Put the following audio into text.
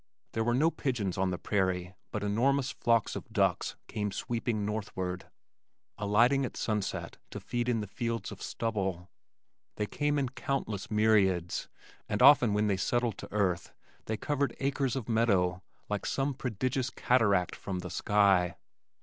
There were no pigeons on the prairie but enormous flocks of ducks came sweeping northward, alighting at sunset to feed in the fields of stubble. They came in countless myriads and often when they settled to earth they covered acres of meadow like some prodigious cataract from the sky.